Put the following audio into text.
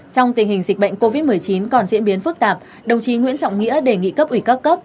trong tình hình dịch bệnh covid một mươi chín còn diễn biến phức tạp đồng chí nguyễn trọng nghĩa đề nghị cấp ủy các cấp